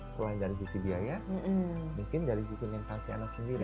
selain dari sisi biaya mungkin dari sisi lintang si anak sendiri